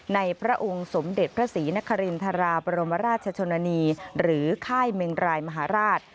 พระองค์สมเด็จพระศรีนครินทราบรมราชชนนีหรือค่ายเมงรายมหาราช